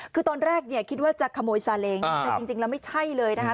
คือตอนแรกเนี่ยคิดว่าจะขโมยซาเล้งแต่จริงแล้วไม่ใช่เลยนะคะ